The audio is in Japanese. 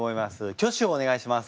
挙手をお願いします。